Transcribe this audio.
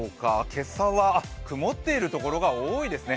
今朝は曇っているところが多いですね。